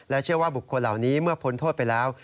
เชื่อว่าบุคคลเหล่านี้เมื่อพ้นโทษไปแล้ว